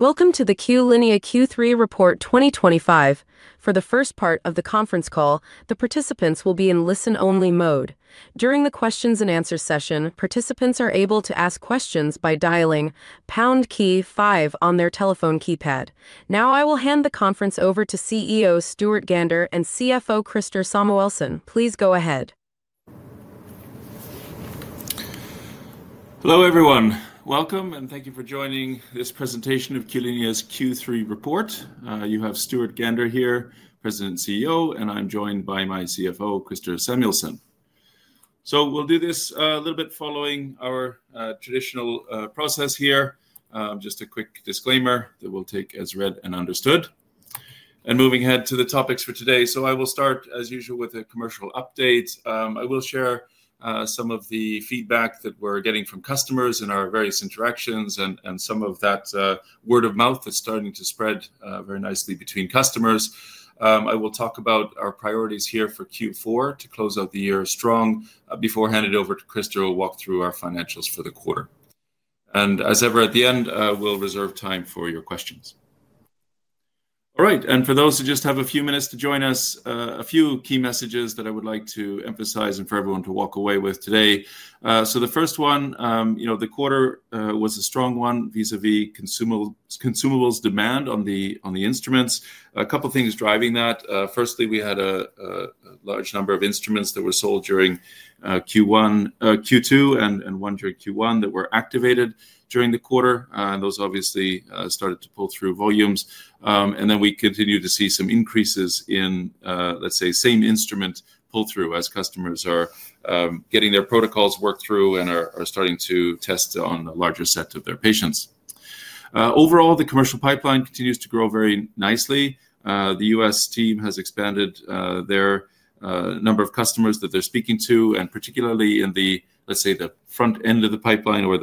Welcome to the Q-linea Q3 report 2025. For the first part of the conference call, the participants will be in listen-only mode. During the questions-and-answers session, participants are able to ask questions by dialing pound key five on their telephone keypad. Now, I will hand the conference over to CEO Stuart Gander and CFO Christer Samuelsson. Please go ahead. Hello, everyone. Welcome, and thank you for joining this presentation of Q-linea's Q3 report. You have Stuart Gander here, President and CEO, and I'm joined by my CFO, Christer Samuelsson. We'll do this a little bit following our traditional process here. Just a quick disclaimer that we'll take as read and understood. Moving ahead to the topics for today, I will start, as usual, with a commercial update. I will share some of the feedback that we're getting from customers in our various interactions and some of that word of mouth that's starting to spread very nicely between customers. I will talk about our priorities here for Q4 to close out the year strong. Before I hand it over to Christer, I'll walk through our financials for the quarter. As ever, at the end, we'll reserve time for your questions. All right, and for those who just have a few minutes to join us, a few key messages that I would like to emphasize and for everyone to walk away with today. The first one, you know, the quarter was a strong one vis-à-vis consumables demand on the instruments. A couple of things driving that. Firstly, we had a large number of instruments that were sold during Q2 and one during Q1 that were activated during the quarter. Those obviously started to pull through volumes. We continue to see some increases in, let's say, same instrument pull-through as customers are getting their protocols worked through and are starting to test on a larger set of their patients. Overall, the commercial pipeline continues to grow very nicely. The U.S. team has expanded their number of customers that they're speaking to, and particularly in the, let's say, the front end of the pipeline or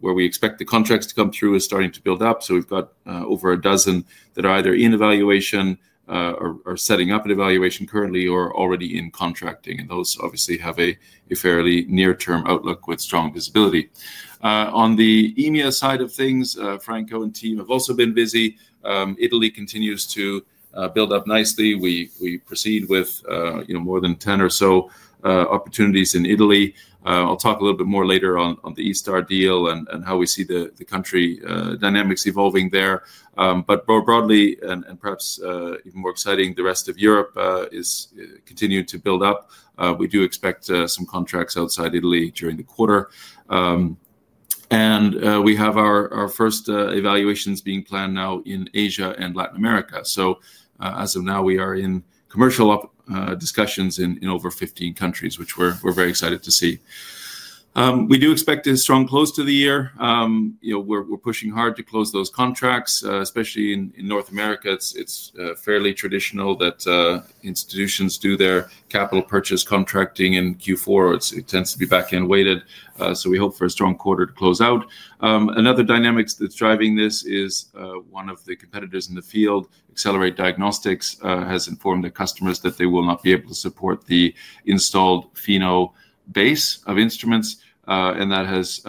where we expect the contracts to come through is starting to build up. We've got over a dozen that are either in evaluation or setting up an evaluation currently or already in contracting. Those obviously have a fairly near-term outlook with strong visibility. On the EMEA side of things, Franco and team have also been busy. Italy continues to build up nicely. We proceed with more than 10 or so opportunities in Italy. I'll talk a little bit more later on the ASTar deal and how we see the country dynamics evolving there. Broadly, and perhaps even more exciting, the rest of Europe is continuing to build up. We do expect some contracts outside Italy during the quarter. We have our first evaluations being planned now in Asia and Latin America. As of now, we are in commercial discussions in over 15 countries, which we're very excited to see. We do expect a strong close to the year. We're pushing hard to close those contracts, especially in North America. It's fairly traditional that institutions do their capital purchase contracting in Q4. It tends to be back-end weighted. We hope for a strong quarter to close out. Another dynamic that's driving this is one of the competitors in the field, Accelerate Diagnostics, has informed their customers that they will not be able to support the installed FINO base of instruments. That has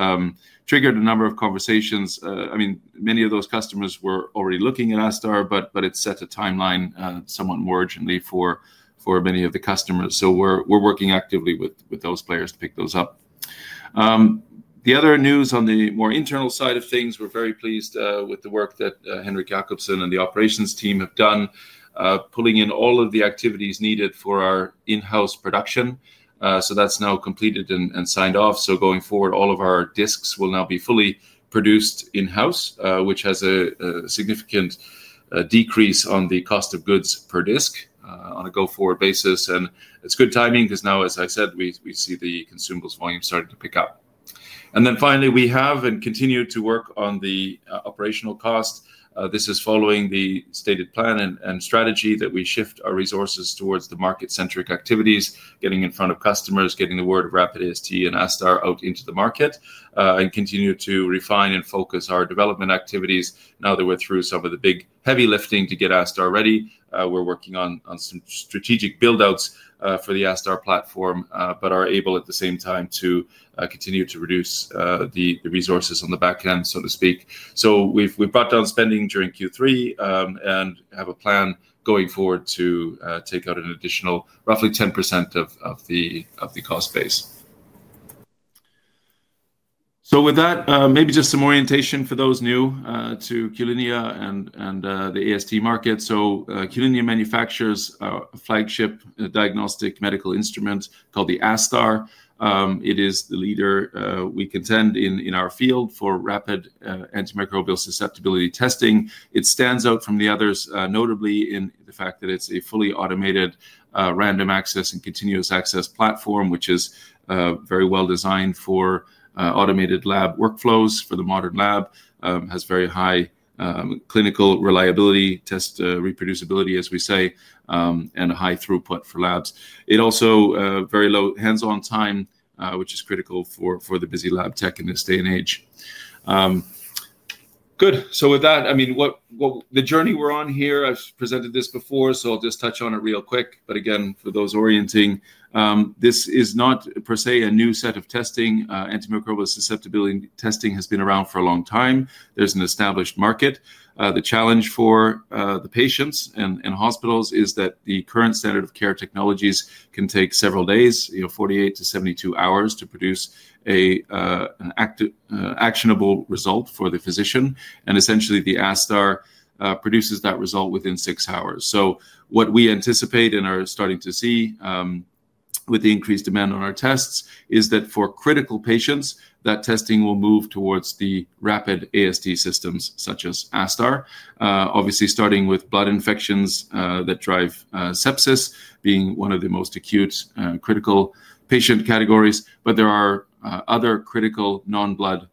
triggered a number of conversations. Many of those customers were already looking at ASTar, but it's set a timeline somewhat more urgently for many of the customers. We're working actively with those players to pick those up. The other news on the more internal side of things, we're very pleased with the work that Henrik Jacobsen and the operations team have done, pulling in all of the activities needed for our in-house production. That's now completed and signed off. Going forward, all of our discs will now be fully produced in-house, which has a significant decrease on the cost of goods per disc on a go-forward basis. It's good timing because now, as I said, we see the consumables volume starting to pick up. Finally, we have and continue to work on the operational cost. This is following the stated plan and strategy that we shift our resources towards the market-centric activities, getting in front of customers, getting the word of RapidST and ASTar out into the market, and continue to refine and focus our development activities. Now that we're through some of the big heavy lifting to get ASTar ready, we're working on some strategic build-outs for the ASTar platform, but are able at the same time to continue to reduce the resources on the back end, so to speak. We've brought down spending during Q3 and have a plan going forward to take out an additional roughly 10% of the cost base. With that, maybe just some orientation for those new to Q-linea and the AST market. Q-linea manufactures a flagship diagnostic medical instrument called the ASTar. It is the leader we contend in our field for rapid antimicrobial susceptibility testing. It stands out from the others, notably in the fact that it's a fully automated random access and continuous access platform, which is very well designed for automated lab workflows for the modern lab. It has very high clinical reliability, test reproducibility, as we say, and a high throughput for labs. It also has very low hands-on time, which is critical for the busy lab tech in this day and age. Good. With that, I mean, the journey we're on here, I've presented this before, so I'll just touch on it real quick. Again, for those orienting, this is not per se a new set of testing. Antimicrobial susceptibility testing has been around for a long time. There's an established market. The challenge for the patients and hospitals is that the current standard of care technologies can take several days, 48-72 hours, to produce an actionable result for the physician. Essentially, the ASTar produces that result within six hours. What we anticipate and are starting to see with the increased demand on our tests is that for critical patients, that testing will move towards the rapid AST systems such as ASTar, obviously starting with blood infections that drive sepsis, being one of the most acute critical patient categories. There are other critical non-blood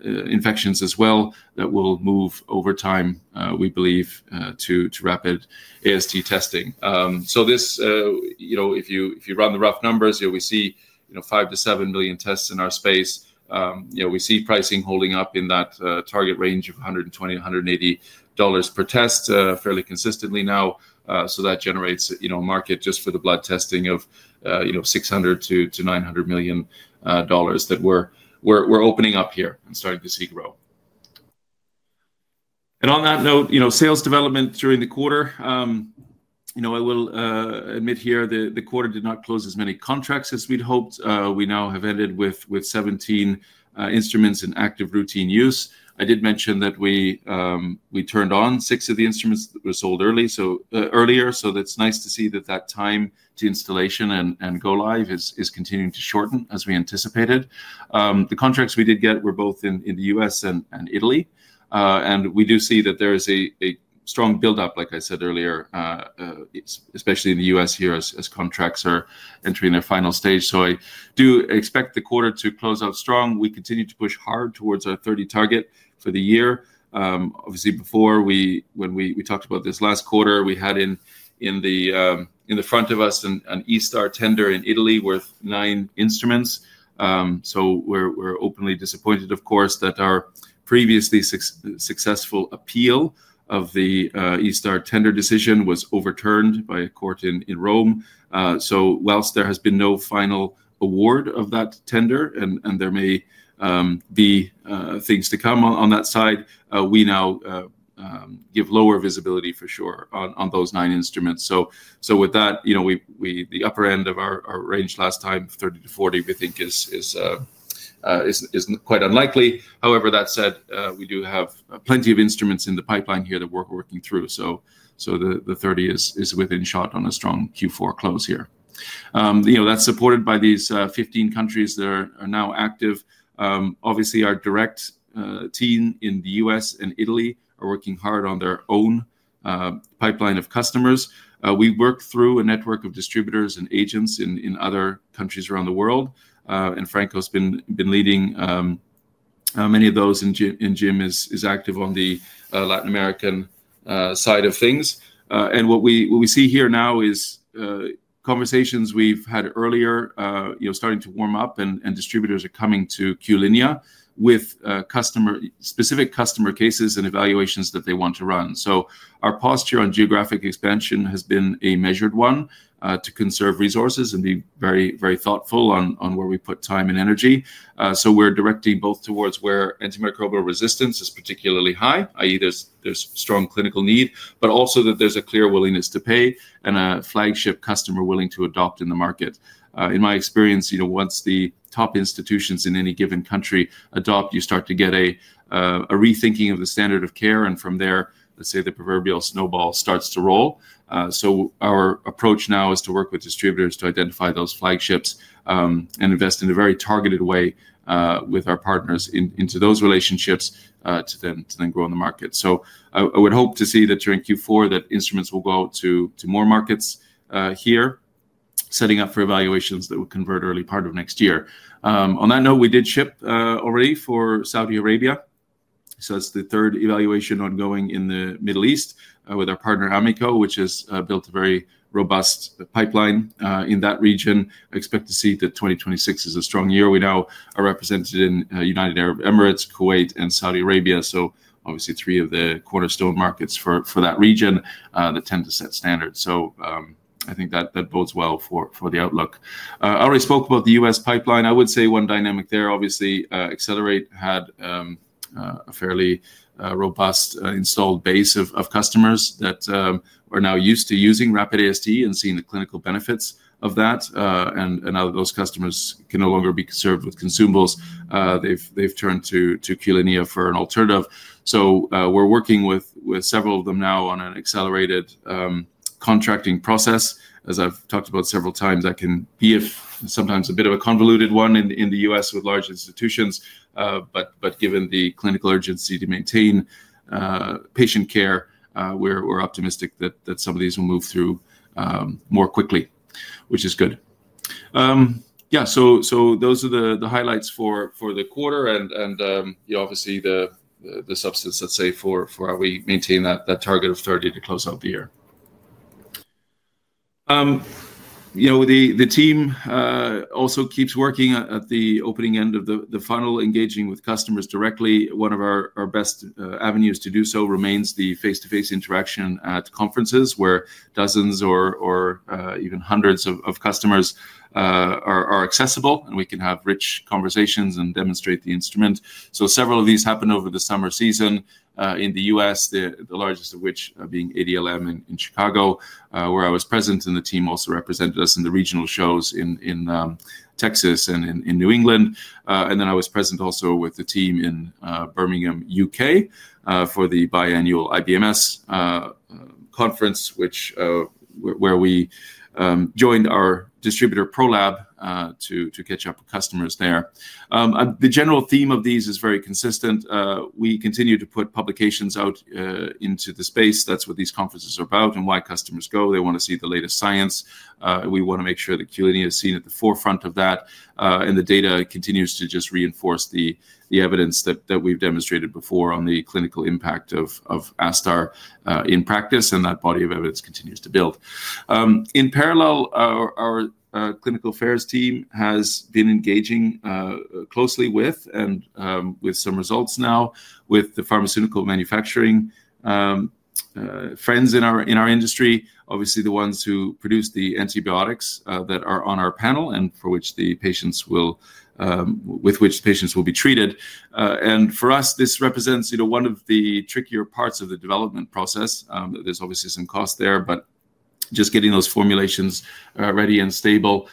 infections as well that will move over time, we believe, to rapid AST testing. If you run the rough numbers, we see five to seven million tests in our space. We see pricing holding up in that target range of SEK 120-SEK 180 per test fairly consistently now. That generates a market just for the blood testing of SEK 600 million-SEK 900 million that we're opening up here and starting to see grow. On that note, sales development during the quarter. I will admit here that the quarter did not close as many contracts as we'd hoped. We now have ended with 17 instruments in active routine use. I did mention that we turned on six of the instruments that were sold earlier. That's nice to see that that time to installation and go live is continuing to shorten as we anticipated. The contracts we did get were both in the U.S. and Italy. We do see that there is a strong build-up, like I said earlier, especially in the U.S. here as contracts are entering their final stage. I do expect the quarter to close out strong. We continue to push hard towards our 30 target for the year. Obviously, before we talked about this last quarter, we had in the front of us an ASTar tender in Italy with nine instruments. We're openly disappointed, of course, that our previously successful appeal of the ASTar tender decision was overturned by a court in Rome. Whilst there has been no final award of that tender, and there may be things to come on that side, we now give lower visibility for sure on those nine instruments. With that, the upper end of our range last time, 30-40, we think is quite unlikely. However, we do have plenty of instruments in the pipeline here that we're working through. The 30 is within shot on a strong Q4 close here. That's supported by these 15 countries that are now active. Our direct team in the United States and Italy are working hard on their own pipeline of customers. We work through a network of distributors and agents in other countries around the world. Franco's been leading many of those, and Jim is active on the Latin America side of things. What we see here now is conversations we've had earlier starting to warm up, and distributors are coming to Q-linea with specific customer cases and evaluations that they want to run. Our posture on geographic expansion has been a measured one to conserve resources and be very, very thoughtful on where we put time and energy. We're directing both towards where antimicrobial resistance is particularly high, i.e., there's strong clinical need, but also that there's a clear willingness to pay and a flagship customer willing to adopt in the market. In my experience, once the top institutions in any given country adopt, you start to get a rethinking of the standard of care, and from there, let's say the proverbial snowball starts to roll. Our approach now is to work with distributors to identify those flagships and invest in a very targeted way with our partners into those relationships to then grow in the market. I would hope to see that during Q4 instruments will go to more markets here, setting up for evaluations that would convert early part of next year. On that note, we did ship already for Saudi Arabia. That's the third evaluation ongoing in the Middle East with our partner Amico, which has built a very robust pipeline in that region. I expect to see that 2026 is a strong year. We now are represented in the United Arab Emirates, Kuwait, and Saudi Arabia. Obviously, three of the cornerstone markets for that region tend to set standards. I think that bodes well for the outlook. I already spoke about the U.S. pipeline. I would say one dynamic there, obviously, Accelerate Diagnostics had a fairly robust installed base of customers that are now used to using RapidST and seeing the clinical benefits of that. Now those customers can no longer be served with consumables. They've turned to Q-linea for an alternative. We're working with several of them now on an accelerated contracting process. As I've talked about several times, that can be sometimes a bit of a convoluted one in the U.S. with large institutions. Given the clinical urgency to maintain patient care, we're optimistic that some of these will move through more quickly, which is good. Those are the highlights for the quarter and obviously the substance, let's say, for how we maintain that target of 30 to close out the year. The team also keeps working at the opening end of the funnel, engaging with customers directly. One of our best avenues to do so remains the face-to-face interaction at conferences where dozens or even hundreds of customers are accessible, and we can have rich conversations and demonstrate the instrument. Several of these happen over the summer season in the U.S., the largest of which being ADLM in Chicago, where I was present, and the team also represented us in the regional shows in Texas and in New England. I was present also with the team in Birmingham, United Kingdom, for the biannual IBMS conference, where we joined our distributor Prolab to catch up with customers there. The general theme of these is very consistent. We continue to put publications out into the space. That's what these conferences are about and why customers go. They want to see the latest science. We want to make sure that Q-linea is seen at the forefront of that, and the data continues to just reinforce the evidence that we've demonstrated before on the clinical impact of ASTar in practice, and that body of evidence continues to build. In parallel, our clinical affairs team has been engaging closely with, and with some results now, with the pharmaceutical manufacturing friends in our industry, obviously the ones who produce the antibiotics that are on our panel and for which the patients will be treated. For us, this represents one of the trickier parts of the development process. There's obviously some cost there, but just getting those formulations ready and stable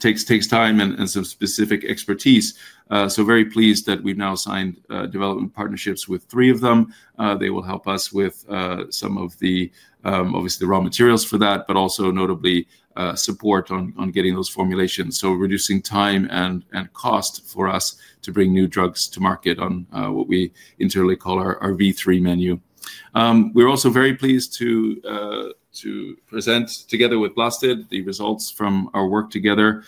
takes time and some specific expertise. Very pleased that we've now signed development partnerships with three of them. They will help us with some of the, obviously, the raw materials for that, but also notably support on getting those formulations. Reducing time and cost for us to bring new drugs to market on what we internally call our V3 menu. We're also very pleased to present together with Blasted the results from our work together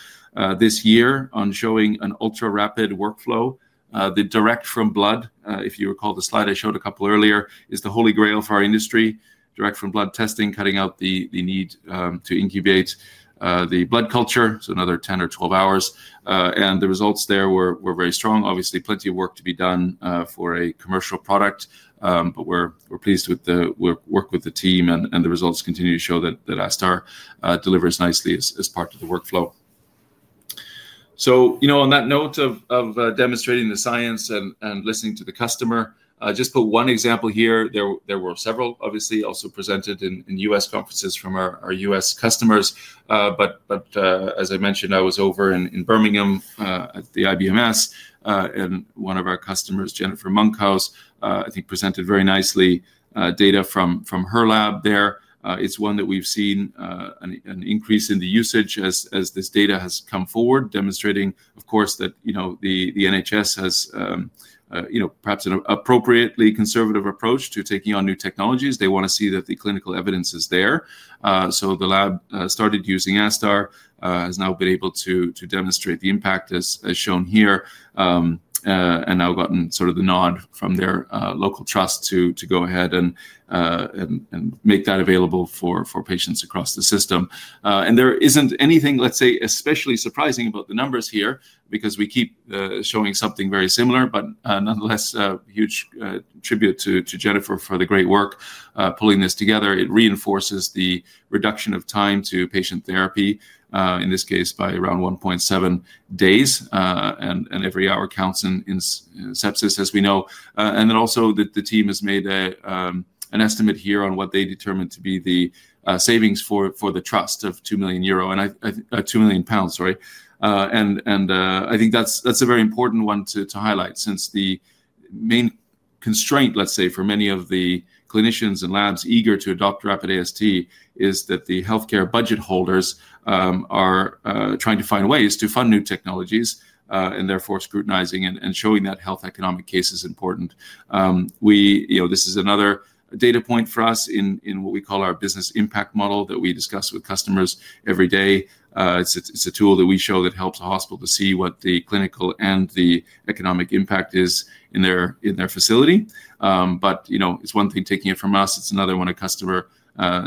this year on showing an ultra-rapid workflow. The direct from blood, if you recall the slide I showed a couple earlier, is the holy grail for our industry. Direct from blood testing, cutting out the need to incubate the blood culture, so another 10 or 12 hours. The results there were very strong. Obviously, plenty of work to be done for a commercial product, but we're pleased with the work with the team, and the results continue to show that ASTar delivers nicely as part of the workflow. On that note of demonstrating the science and listening to the customer, I just put one example here. There were several, obviously, also presented in U.S. conferences from our U.S. customers. As I mentioned, I was over in Birmingham at the IBMS. One of our customers, Jennifer Munkhaus, I think presented very nicely data from her lab there. It's one that we've seen an increase in the usage as this data has come forward, demonstrating, of course, that the NHS trust has perhaps an appropriately conservative approach to taking on new technologies. They want to see that the clinical evidence is there. The lab started using ASTar, has now been able to demonstrate the impact as shown here, and now gotten sort of the nod from their local trust to go ahead and make that available for patients across the system. There isn't anything, let's say, especially surprising about the numbers here because we keep showing something very similar, but nonetheless, a huge tribute to Jennifer for the great work pulling this together. It reinforces the reduction of time to patient therapy, in this case by around 1.7 days, and every hour counts in sepsis, as we know. The team has made an estimate here on what they determine to be the savings for the trust of 2 million pounds. I think that's a very important one to highlight since the main constraint, let's say, for many of the clinicians and labs eager to adopt RapidST is that the healthcare budget holders are trying to find ways to fund new technologies and therefore scrutinizing and showing that health economic case is important. This is another data point for us in what we call our business impact model that we discuss with customers every day. It's a tool that we show that helps a hospital to see what the clinical and the economic impact is in their facility. You know, it's one thing taking it from us. It's another when a customer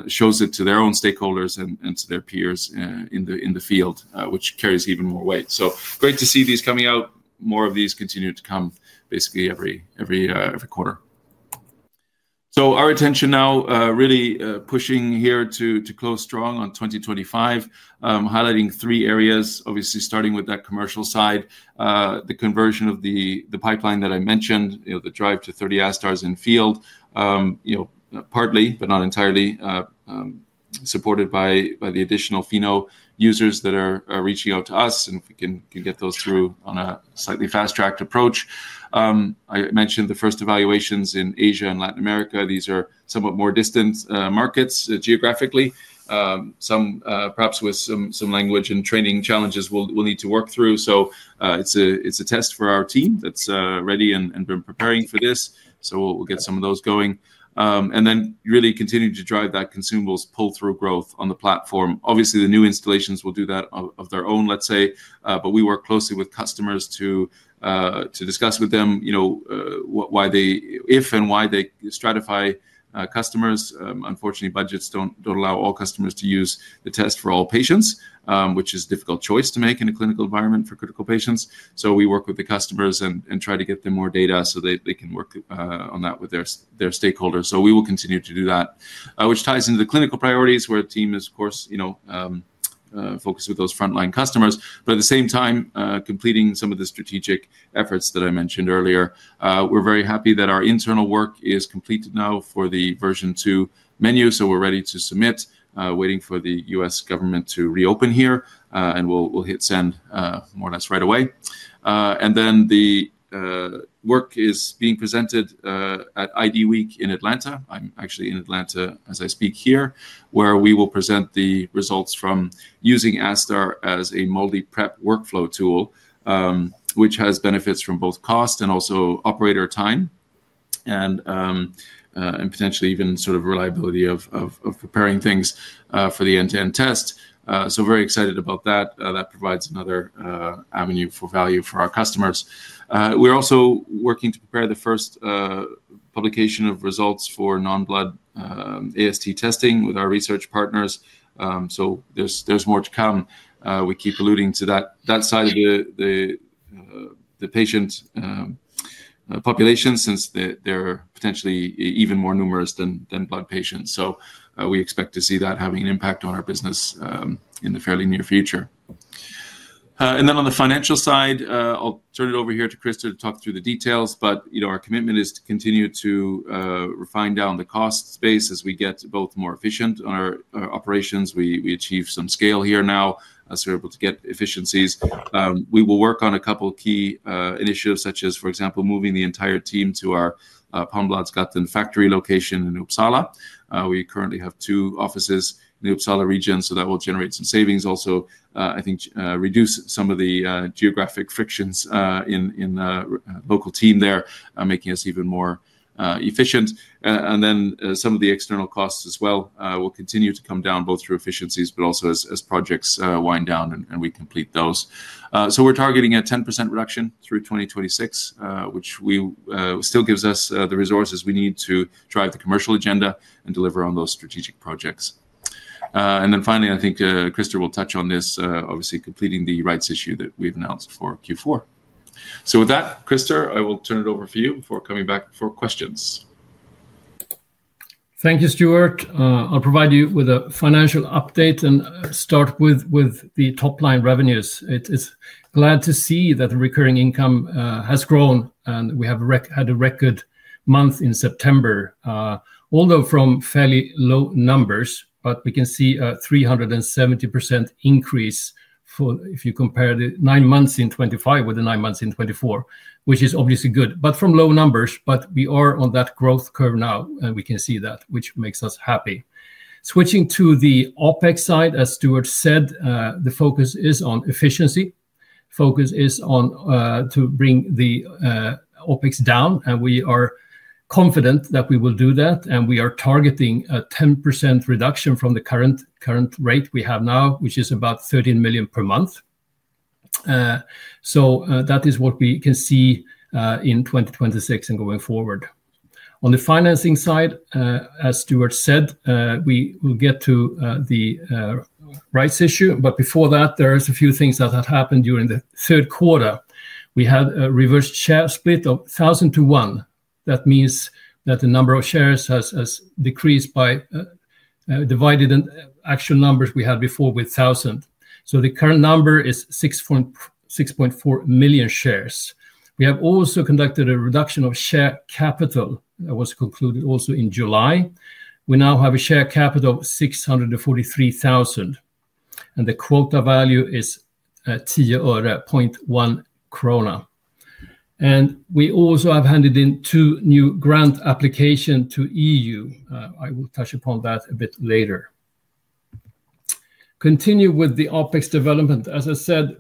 shows it to their own stakeholders and to their peers in the field, which carries even more weight. Great to see these coming out. More of these continue to come basically every quarter. Our attention now is really pushing here to close strong on 2025, highlighting three areas, obviously starting with that commercial side, the conversion of the pipeline that I mentioned, the drive to 30 ASTar systems in field, partly but not entirely supported by the additional FINO users that are reaching out to us, and we can get those through on a slightly fast-tracked approach. I mentioned the first evaluations in Asia and Latin America. These are somewhat more distant markets geographically, some perhaps with some language and training challenges we'll need to work through. It's a test for our team that's ready and been preparing for this. We'll get some of those going and then really continue to drive that consumables pull-through growth on the platform. Obviously, the new installations will do that of their own, let's say, but we work closely with customers to discuss with them, you know, why they, if and why they stratify customers. Unfortunately, budgets don't allow all customers to use the test for all patients, which is a difficult choice to make in a clinical environment for critical patients. We work with the customers and try to get them more data so they can work on that with their stakeholders. We will continue to do that, which ties into the clinical priorities where the team is, of course, focused with those frontline customers. At the same time, completing some of the strategic efforts that I mentioned earlier. We're very happy that our internal work is completed now for the version two menu. We're ready to submit, waiting for the U.S. government to reopen here, and we'll hit send more or less right away. The work is being presented at ID Week in Atlanta. I'm actually in Atlanta as I speak here, where we will present the results from using ASTar as a multi-prep workflow tool, which has benefits from both cost and also operator time and potentially even sort of reliability of preparing things for the end-to-end test. Very excited about that. That provides another avenue for value for our customers. We're also working to prepare the first publication of results for non-blood AST testing with our research partners. There's more to come. We keep alluding to that side of the patient population since they're potentially even more numerous than blood patients. We expect to see that having an impact on our business in the fairly near future. On the financial side, I'll turn it over here to Christer to talk through the details. Our commitment is to continue to refine down the cost base as we get both more efficient on our operations. We achieve some scale here now as we're able to get efficiencies. We will work on a couple of key initiatives such as, for example, moving the entire team to our Palmbladsgatan factory location in Uppsala. We currently have two offices in the Uppsala region, so that will generate some savings. I think it will also reduce some of the geographic frictions in the local team there, making us even more efficient. Some of the external costs as well will continue to come down both through efficiencies, but also as projects wind down and we complete those. We're targeting a 10% reduction through 2026, which still gives us the resources we need to drive the commercial agenda and deliver on those strategic projects. Finally, I think Christer will touch on this, obviously completing the rights issue that we've announced for Q4. With that, Christer, I will turn it over for you before coming back for questions. Thank you, Stuart. I'll provide you with a financial update and start with the top line revenues. It's glad to see that the recurring income has grown, and we had a record month in September, although from fairly low numbers, but we can see a 370% increase if you compare the nine months in 2025 with the nine months in 2024, which is obviously good. From low numbers, but we are on that growth curve now, and we can see that, which makes us happy. Switching to the OPEX side, as Stuart said, the focus is on efficiency. The focus is to bring the OPEX down, and we are confident that we will do that. We are targeting a 10% reduction from the current rate we have now, which is about 13 million per month. That is what we can see in 2026 and going forward. On the financing side, as Stuart said, we will get to the rights issue. Before that, there are a few things that have happened during the third quarter. We had a reverse share split of 1,000 to 1. That means that the number of shares has decreased by dividing the actual numbers we had before by 1,000. The current number is 6.4 million shares. We have also conducted a reduction of share capital. That was concluded also in July. We now have a share capital of 643,000, and the quota value is SEK 0.1. We also have handed in two new grant applications to the EU. I will touch upon that a bit later. Continue with the OPEX development. As I said,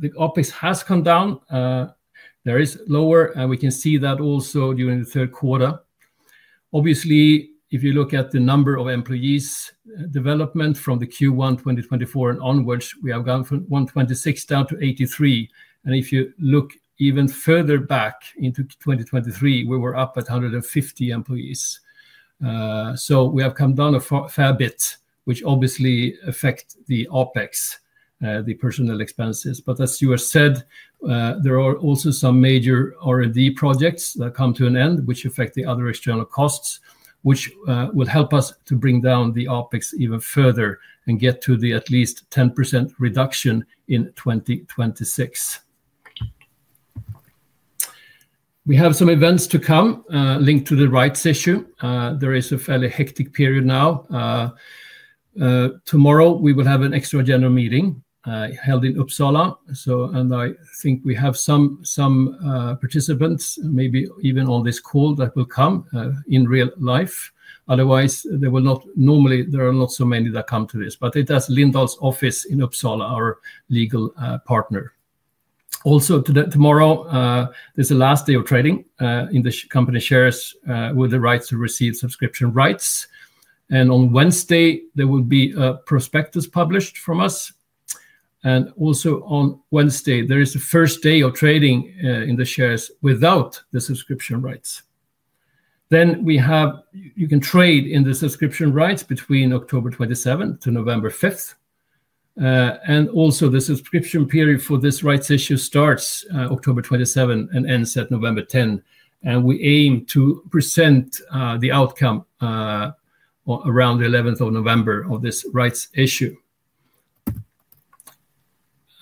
the OPEX has come down. There is lower, and we can see that also during the third quarter. Obviously, if you look at the number of employees' development from Q1 2024 and onwards, we have gone from 126 down to 83. If you look even further back into 2023, we were up at 150 employees. We have come down a fair bit, which obviously affects the OPEX, the personnel expenses. As you said, there are also some major R&D projects that come to an end, which affect the other external costs, which will help us to bring down the OPEX even further and get to the at least 10% reduction in 2026. We have some events to come linked to the rights issue. There is a fairly hectic period now. Tomorrow, we will have an extra general meeting held in Uppsala. I think we have some participants, maybe even on this call that will come in real life. Otherwise, there are not so many that come to this. It does Lindahl's office in Uppsala, our legal partner. Also, tomorrow, there's a last day of trading in the company shares with the rights to receive subscription rights. On Wednesday, there will be a prospectus published from us. Also on Wednesday, there is the first day of trading in the shares without the subscription rights. You can trade in the subscription rights between October 27 to November 5. The subscription period for this rights issue starts October 27 and ends at November 10. We aim to present the outcome around the 11th of November of this rights issue.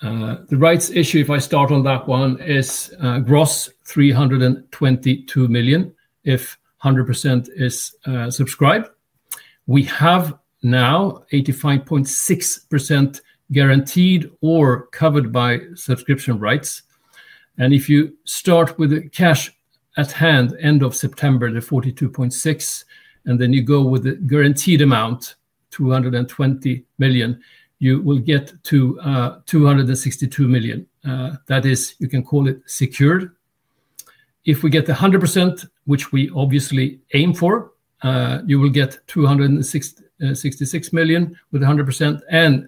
The rights issue, if I start on that one, is gross 322 million if 100% is subscribed. We have now 85.6% guaranteed or covered by subscription rights. If you start with the cash at hand end of September, the 42.6 million, and then you go with the guaranteed amount, 220 million, you will get to 262 million. That is, you can call it secured. If we get the 100%, which we obviously aim for, you will get 266 million with 100%.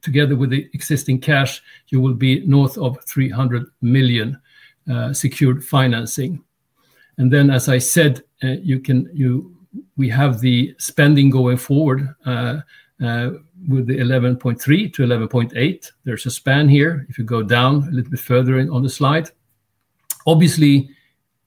Together with the existing cash, you will be north of 300 million secured financing. As I said, we have the spending going forward with the 11.3 million-11.8 million. There's a span here. If you go down a little bit further on the slide, obviously,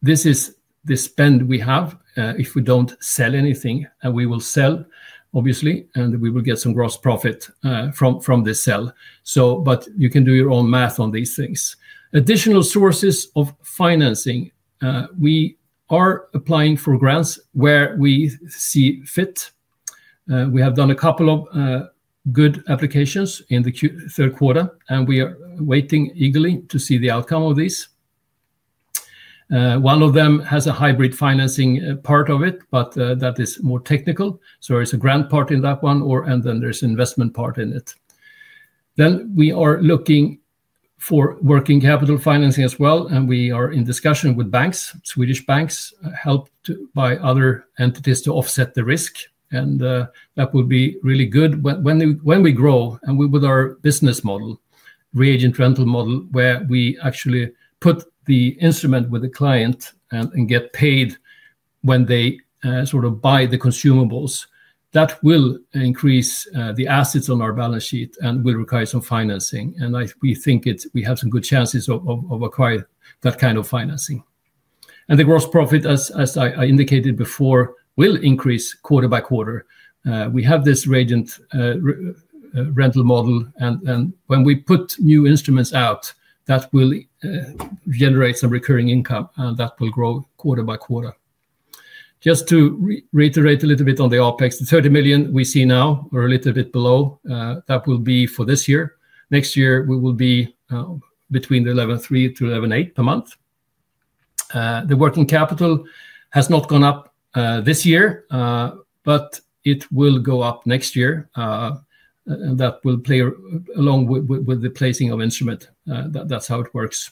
this is the spend we have if we don't sell anything. We will sell, obviously, and we will get some gross profit from this sell. You can do your own math on these things. Additional sources of financing, we are applying for grants where we see fit. We have done a couple of good applications in the third quarter, and we are waiting eagerly to see the outcome of these. One of them has a hybrid financing part of it, but that is more technical. There is a grant part in that one, and then there's an investment part in it. We are looking for working capital financing as well, and we are in discussion with banks, Swedish banks, helped by other entities to offset the risk. That would be really good when we grow and with our business model, reagent rental model, where we actually put the instrument with the client and get paid when they sort of buy the consumables. That will increase the assets on our balance sheet and will require some financing. We think we have some good chances of acquiring that kind of financing. The gross profit, as I indicated before, will increase quarter by quarter. We have this reagent rental model, and when we put new instruments out, that will generate some recurring income, and that will grow quarter by quarter. Just to reiterate a little bit on the OPEX, the 30 million we see now, or a little bit below, that will be for this year. Next year, we will be between 11.3 million-11.8 million per month. The working capital has not gone up this year, but it will go up next year. That will play along with the placing of instrument. That's how it works.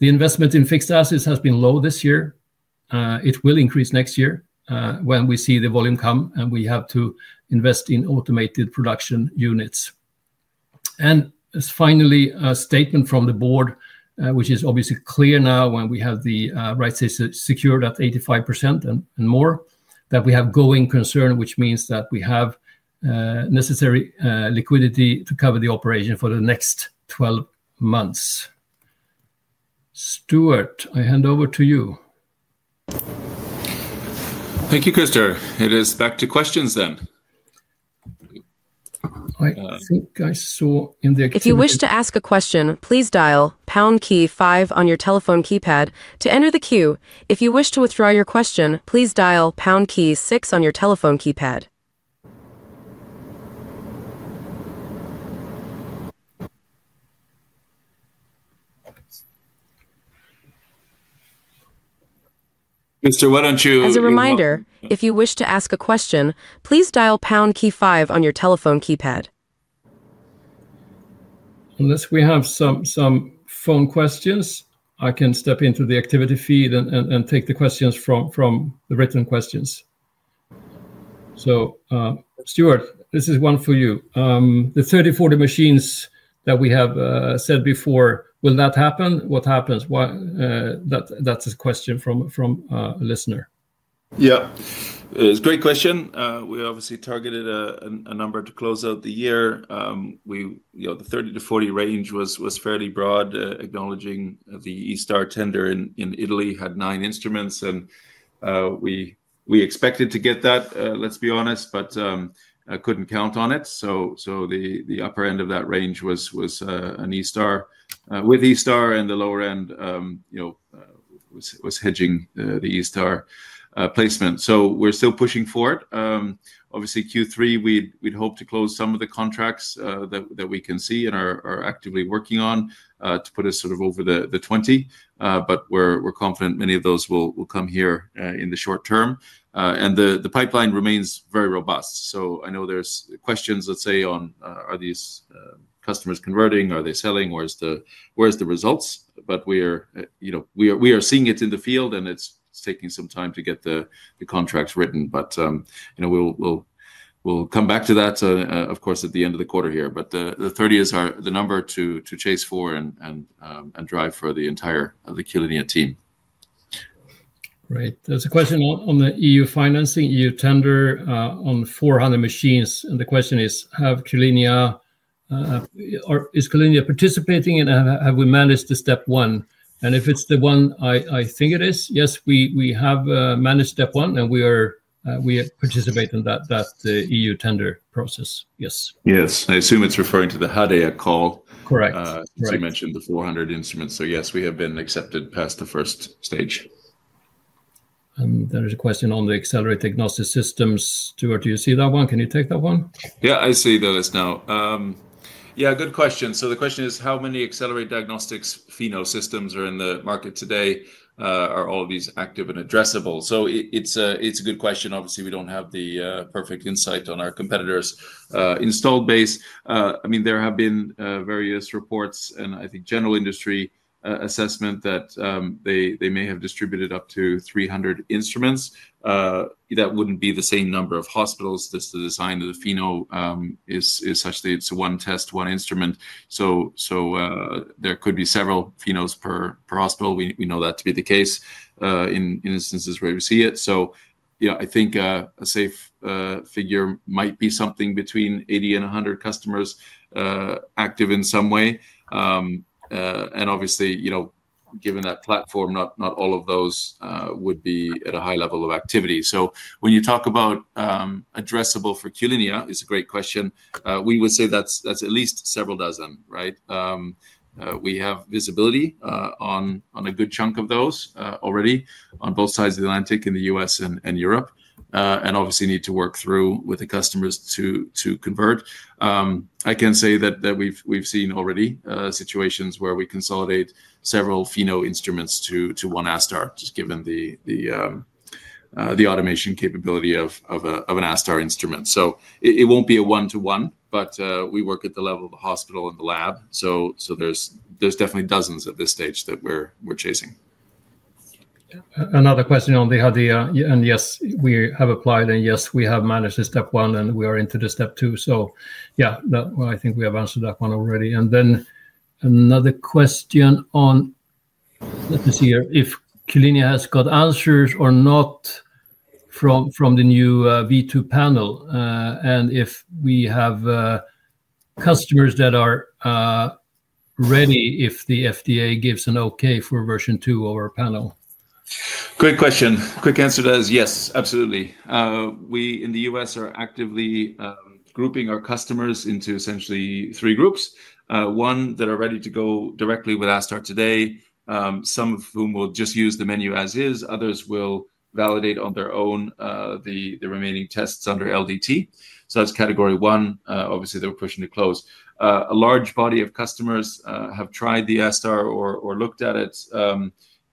The investment in fixed assets has been low this year. It will increase next year when we see the volume come, and we have to invest in automated production units. Finally, a statement from the board, which is obviously clear now when we have the rights secured at 85% and more, that we have going concern, which means that we have necessary liquidity to cover the operation for the next 12 months. Stuart, I hand over to you. Thank you, Christer. It is back to questions then. I think I saw in the. If you wish to ask a question, please dial pound key five on your telephone keypad to enter the queue. If you wish to withdraw your question, please dial pound key six on your telephone keypad. Why don't you. As a reminder, if you wish to ask a question, please dial pound key five on your telephone keypad. Unless we have some phone questions, I can step into the activity feed and take the questions from the written questions. Stuart, this is one for you. The 30/40 machines that we have said before, will that happen? What happens? That's a question from a listener. Yeah, it's a great question. We obviously targeted a number to close out the year. The 30-40 range was fairly broad, acknowledging the ASTar tender in Italy had nine instruments, and we expected to get that, let's be honest, but I couldn't count on it. The upper end of that range was an ASTar with ASTar, and the lower end was hedging the ASTar placement. We're still pushing for it. Q3, we'd hope to close some of the contracts that we can see and are actively working on to put us sort of over the 20, but we're confident many of those will come here in the short term. The pipeline remains very robust. I know there's questions, let's say, on are these customers converting? Are they selling? Where's the results? We are seeing it in the field, and it's taking some time to get the contracts written. We'll come back to that, of course, at the end of the quarter here. The 30 is the number to chase for and drive for the entire Q-linea team. Right. There's a question on the EU financing, EU tender on 400 machines. The question is, is Q-linea participating and have we managed the step one? If it's the one I think it is, yes, we have managed step one and we participate in that EU tender process. Yes. Yes, I assume it's referring to the HaDEA call. Correct. As you mentioned, the 400 instruments, yes, we have been accepted past the first stage. There is a question on the Accelerate Diagnostics systems. Stuart, do you see that one? Can you take that one? Yeah, I see those now. Good question. The question is, how many Accelerate Diagnostics FINO systems are in the market today? Are all of these active and addressable? It's a good question. Obviously, we don't have the perfect insight on our competitors' installed base. There have been various reports and I think general industry assessment that they may have distributed up to 300 instruments. That wouldn't be the same number of hospitals. The design of the FINO is such that it's a one test, one instrument. There could be several FINOs per hospital. We know that to be the case in instances where we see it. I think a safe figure might be something between 80 and 100 customers active in some way. Obviously, given that platform, not all of those would be at a high level of activity. When you talk about addressable for Q-linea, it's a great question. We would say that's at least several dozen, right? We have visibility on a good chunk of those already on both sides of the Atlantic in the U.S. and Europe. Obviously, we need to work through with the customers to convert. I can say that we've seen already situations where we consolidate several FINO instruments to one ASTar, just given the automation capability of an ASTar instrument. It won't be a one-to-one, but we work at the level of the hospital and the lab. There's definitely dozens at this stage that we're chasing. Another question on the HaDEA. Yes, we have applied and yes, we have managed the step one and we are into the step two. I think we have answered that one already. Another question on, let me see here, if Q-linea has got answers or not from the new V2 panel and if we have customers that are ready if the FDA gives an OK for version two of our panel. Great question. Quick answer to that is yes, absolutely. We in the U.S. are actively grouping our customers into essentially three groups. One that are ready to go directly with ASTar today, some of whom will just use the menu as is. Others will validate on their own the remaining tests under LDT. That's category one. Obviously, they're pushing to close. A large body of customers have tried the ASTar or looked at it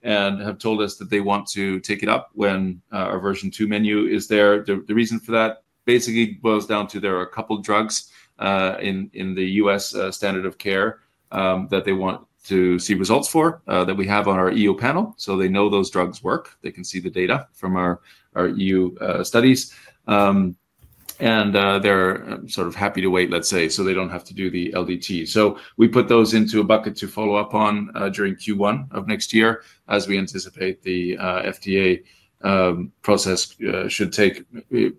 and have told us that they want to take it up when our V2 ASTar menu is there. The reason for that basically boils down to there are a couple of drugs in the U.S. standard of care that they want to see results for that we have on our EU panel. They know those drugs work. They can see the data from our EU studies. They're sort of happy to wait, let's say, so they don't have to do the LDT. We put those into a bucket to follow up on during Q1 of next year as we anticipate the FDA process should take.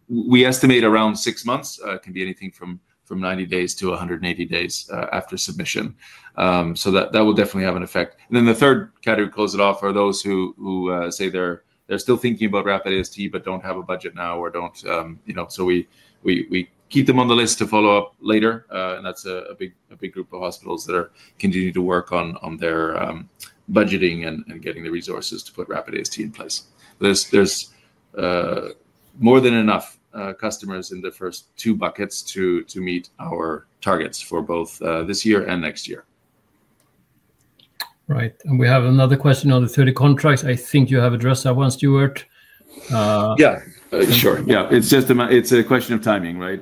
We estimate around six months. It can be anything from 90 days-180 days after submission. That will definitely have an effect. The third category to close it off are those who say they're still thinking about RapidST but don't have a budget now or don't. We keep them on the list to follow up later. That's a big group of hospitals that are continuing to work on their budgeting and getting the resources to put RapidST in place. There's more than enough customers in the first two buckets to meet our targets for both this year and next year. Right. We have another question on the 30 contracts. I think you have addressed that one, Stuart. Yeah, sure. It's just a question of timing, right?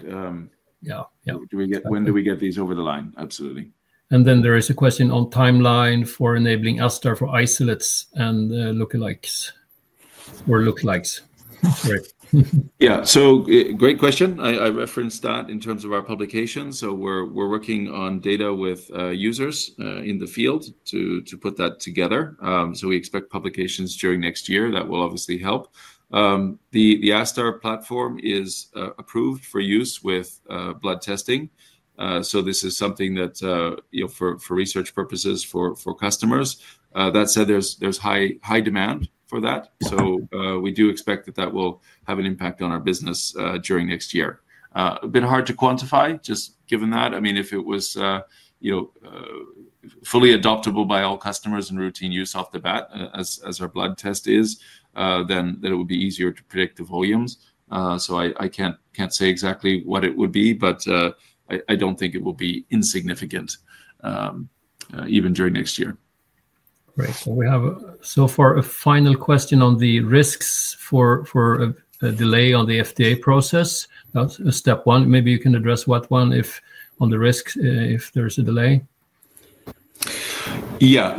Yeah, yeah. When do we get these over the line? Absolutely. There is a question on timeline for enabling ASTar for isolates and lookalikes. Great question. I referenced that in terms of our publications. We're working on data with users in the field to put that together. We expect publications during next year. That will obviously help. The ASTar platform is approved for use with blood testing. This is something that, for research purposes, is for customers. That said, there's high demand for that. We do expect that will have an impact on our business during next year. It's a bit hard to quantify, just given that. I mean, if it was fully adoptable by all customers and routine use off the bat, as our blood test is, then it would be easier to predict the volumes. I can't say exactly what it would be, but I don't think it will be insignificant even during next year. Great. We have so far a final question on the risks for a delay on the FDA process. That's a step one. Maybe you can address that one on the risks if there's a delay. Yeah,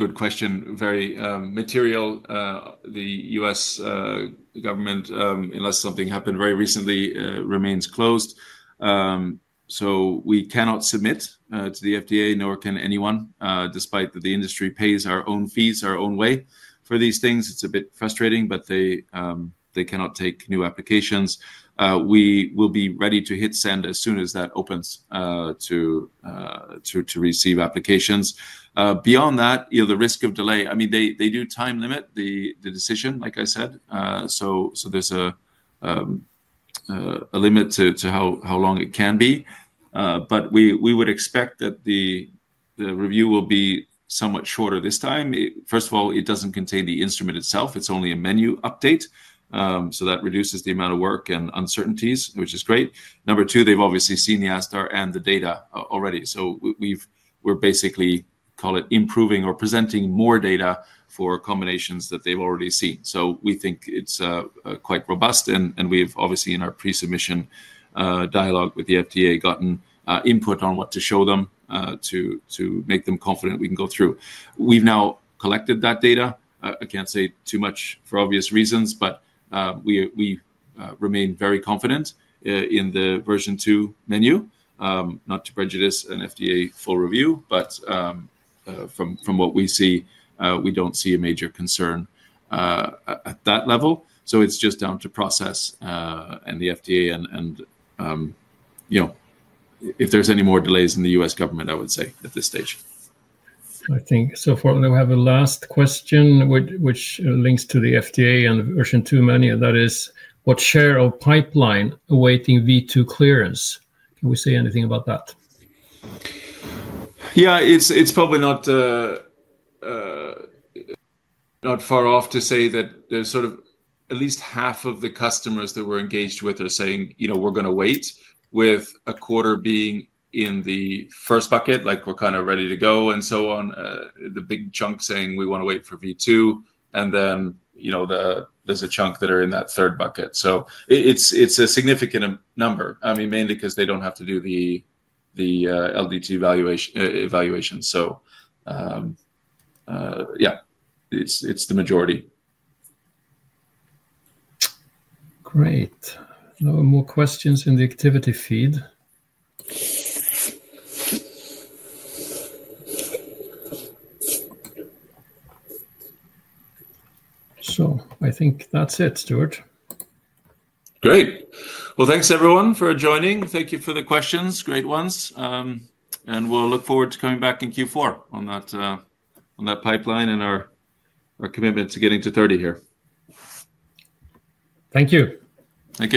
good question. Very material. The U.S. government, unless something happened very recently, remains closed. We cannot submit to the FDA, nor can anyone, despite that the industry pays our own fees our own way for these things. It's a bit frustrating, but they cannot take new applications. We will be ready to hit send as soon as that opens to receive applications. Beyond that, the risk of delay, I mean, they do time limit the decision, like I said. There is a limit to how long it can be. We would expect that the review will be somewhat shorter this time. First of all, it doesn't contain the instrument itself. It's only a menu update. That reduces the amount of work and uncertainties, which is great. Number two, they've obviously seen the ASTar and the data already. We're basically, call it, improving or presenting more data for combinations that they've already seen. We think it's quite robust, and we've obviously in our pre-submission dialogue with the FDA gotten input on what to show them to make them confident we can go through. We've now collected that data. I can't say too much for obvious reasons, but we remain very confident in the version two menu. Not to prejudice an FDA full review, but from what we see, we don't see a major concern at that level. It's just down to process and the FDA and if there's any more delays in the U.S. government, I would say at this stage. I think so far we have a last question, which links to the FDA and version two menu. That is, what share of pipeline awaiting V2 clearance? Can we say anything about that? Yeah, it's probably not far off to say that there's sort of at least half of the customers that we're engaged with are saying, you know, we're going to wait, with a quarter being in the first bucket, like we're kind of ready to go and so on. A big chunk saying we want to wait for V2, and then there's a chunk that are in that third bucket. It's a significant number, mainly because they don't have to do the LDT evaluation. Yeah, it's the majority. Great. No more questions in the activity feed. I think that's it, Stuart. Great. Thank you everyone for joining. Thank you for the questions, great ones. We look forward to coming back in Q4 on that pipeline and our commitment to getting to 30 here. Thank you. Thank you.